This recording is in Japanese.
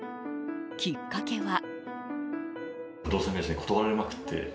きっかけは。